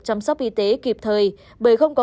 chăm sóc y tế kịp thời bởi không có